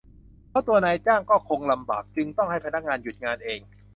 เพราะตัวนายจ้างก็คงลำบากถึงต้องให้พนักงานหยุดงานเอง